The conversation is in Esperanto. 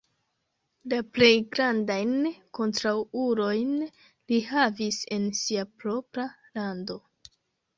La plej grandajn kontraŭulojn li havis en sia propra lando.